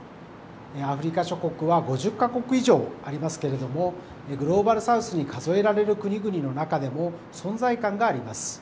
アフリカ諸国は５０か国以上ありますけれども、グローバル・サウスに数えられる国々の中でも存在感があります。